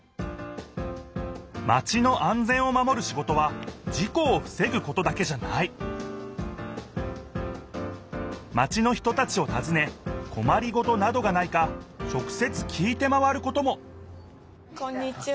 マチの安全を守る仕事は事故をふせぐことだけじゃないマチの人たちをたずねこまりごとなどがないか直せつ聞いて回ることもこんにちは。